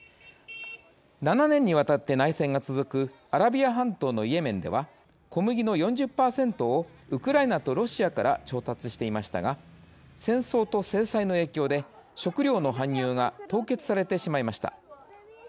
７年にわたって内戦が続くアラビア半島のイエメンでは小麦の４０％をウクライナとロシアから調達していましたが戦争と制裁の影響で食糧の搬入が凍結されてしまいました。